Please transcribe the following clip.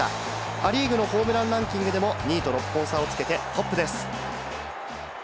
ア・リーグのホームランランキングでも２位と６本差をつけてトップです。